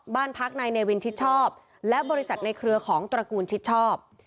บ้านพักนายเนวินชิดชอบและบริษัทในเครือของตระกูลชิดชอบ